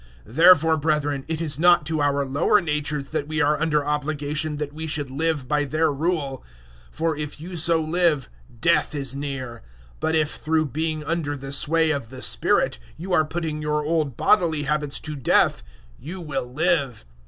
008:012 Therefore, brethren, it is not to our lower natures that we are under obligation that we should live by their rule. 008:013 For if you so live, death is near; but if, through being under the sway of the spirit, you are putting your old bodily habits to death, you will live.